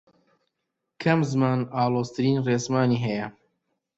کام زمان ئاڵۆزترین ڕێزمانی هەیە؟